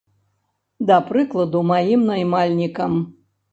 Да прыкладу, маім наймальнікам.